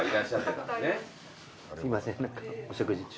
すいませんお食事中。